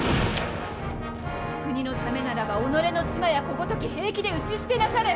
国のためならば己の妻や子ごとき平気で討ち捨てなされ。